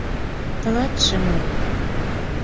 Тылатше мо?